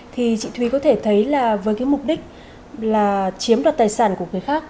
thì chị thùy có thể thấy là với mục đích là chiếm đoàn tài sản của người khác